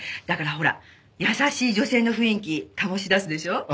だからほら優しい女性の雰囲気醸し出すでしょ？